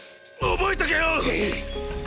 覚えとけよ！！